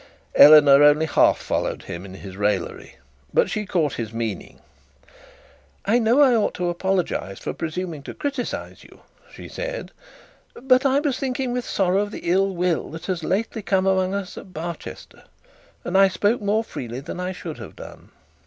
Eleanor only half followed him in his raillery; but she caught his meaning. 'I know I ought to apologise for presuming to criticise you,' she said; 'but I was thinking with sorrow of the ill will that has lately come among us at Barchester, and I spoke more freely than I should have done.'